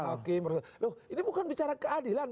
hakim loh ini bukan bicara keadilan